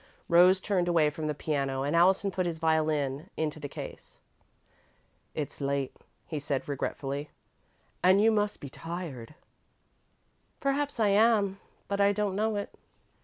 Rose turned away from the piano and Allison put his violin into the case. "It's late," he said, regretfully, "and you must be tired." "Perhaps I am, but I don't know it."